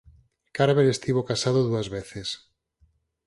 Carver estivo casado dúas veces.